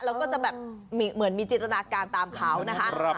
แล้วก็จะแบบเหมือนมีจินตนาการตามเขานะคะ